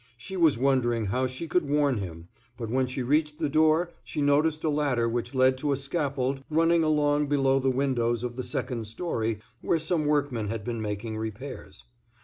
She was wondering how she could warn him, but when she reached the door she noticed a ladder which led to a scaffold running along below the windows of the second story, where some workmen had been making repairs.